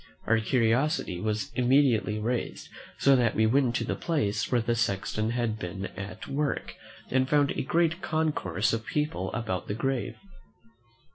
Our curiosity was immediately raised, so that we went to the place where the sexton had been at work, and found a great concourse of people about the grave.